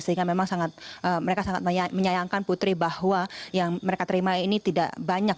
sehingga memang mereka sangat menyayangkan putri bahwa yang mereka terima ini tidak banyak